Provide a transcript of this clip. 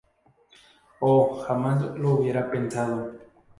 ¡Oh jamás lo hubiera pensado!